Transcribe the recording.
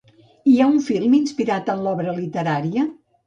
Hi ha un film inspirat en l'obra literària?